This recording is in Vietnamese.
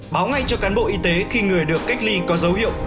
báo ngay cho cán bộ y tế khi người được cách ly có dấu hiệu